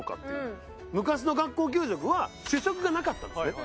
昔の学校給食は主食がなかったんですね。